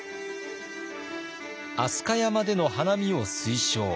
飛鳥山での花見を推奨。